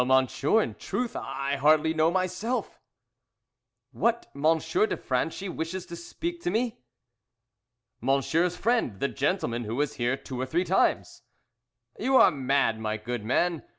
"Oh, monsieur, in truth I hardly know myself." "What M. de Franchi wishes to speak to me?" "Monsieur's friend. The gentleman who was here two or three times." "You are mad, my good man.